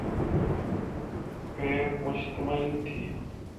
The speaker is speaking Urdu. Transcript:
پہ مشتمل تھی۔